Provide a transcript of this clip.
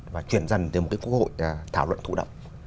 và chuyển dần từ một cái quốc hội thảo luận thụ động